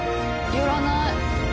寄らない。